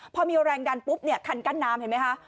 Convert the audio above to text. พอมีแรงดันปุ๊บเนี่ยคันกั้นน้ำเห็นไหมคะ